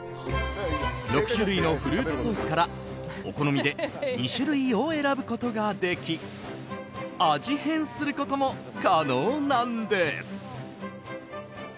６種類のフルーツソースからお好みで２種類を選ぶことができ味変することも可能なんです。